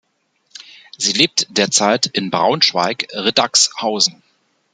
Sie lebt derzeit in Braunschweig-Riddagshausen.